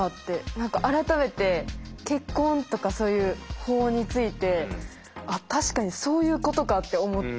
何か改めて結婚とかそういう法について確かにそういうことかって思って。